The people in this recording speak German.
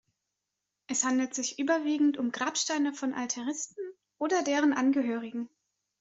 Es handelt sich überwiegend um Grabsteine von Altaristen oder deren Angehörigen.